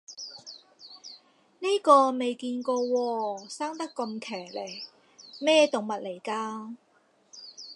呢個未見過喎，生得咁奇離，咩動物嚟㗎